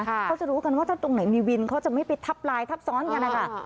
เขาจะรู้กันว่าถ้าตรงไหนมีวินเขาจะไม่ไปทับลายทับซ้อนกันนะคะ